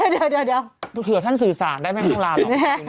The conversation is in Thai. เดี๋ยวเถอะเถอะท่านสื่อสารได้ไหมทั้งราบ